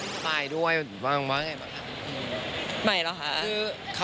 ไม่สบายด้วยว่าไงบ้างคะ